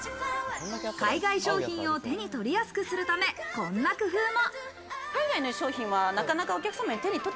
海外商品を手に取りやすくするため、こんな工夫も。